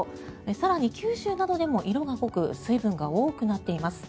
更に、九州などでも色が濃く水分が多くなっています。